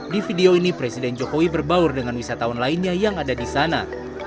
di video ini presiden jokowi berbaur dengan wisatawan lainnya yang ada di sana